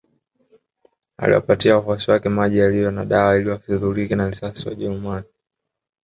Aliwapatia wafuasi wake maji yaliyo na dawa ili wasidhurike na risasi za wajerumani